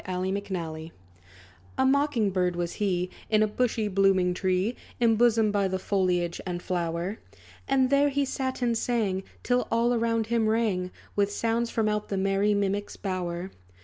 =The Mocking Bird= A Mocking Bird was he, In a bushy, blooming tree, Imbosomed by the foliage and flower. And there he sat and sang, Till all around him rang, With sounds, from out the merry mimic's bower.